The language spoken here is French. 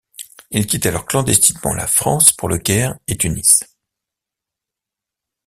Il quitte alors clandestinement la France pour Le Caire et Tunis.